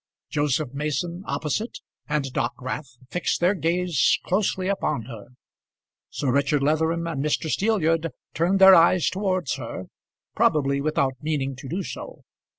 Joseph Mason opposite and Dockwrath fixed their gaze closely upon her. Sir Richard Leatherham and Mr. Steelyard turned their eyes towards her, probably without meaning to do so.